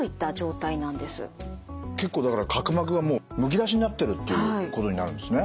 結構だから角膜がむき出しになってるっていうことになるんですね。